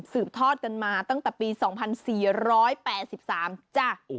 ทอดกันมาตั้งแต่ปี๒๔๘๓จ้ะ